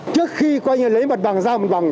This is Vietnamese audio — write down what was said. trước khi lấy mặt bằng ra mặt bằng